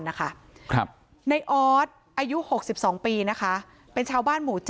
นะคะครับในออทอายุหกสิบสองปีนะคะเป็นชาวบ้านหมู่